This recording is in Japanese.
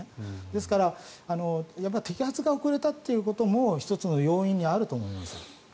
ですから摘発が遅れたということも１つの要因にあると思います。